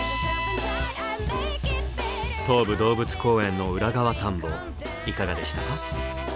東武動物公園の裏側探訪いかがでしたか？